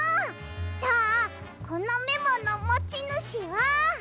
じゃあこのメモのもちぬしは。